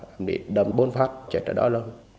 em đi đâm bốn phát chạy tới đó luôn